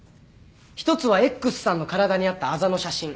１つはＸさんの体にあったあざの写真。